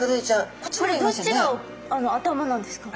これどっちが頭なんですか？